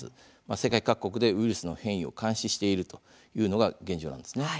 世界各国でウイルスの変異を監視しているという現状です。